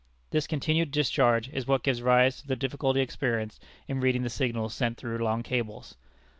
This continued discharge is what gives rise to the difficulty experienced in reading the signals sent through long cables.